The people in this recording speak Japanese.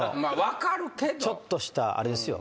ちょっとしたあれですよ。